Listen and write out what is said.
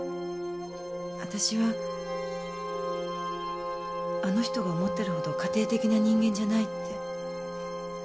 わたしはあの人が思ってるほど家庭的な人間じゃないって。